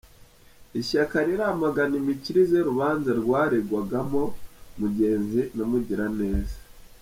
Ishyaka riramagana imikirize y’urubanza rwaregwagamo Mugenzi na Mugiraneza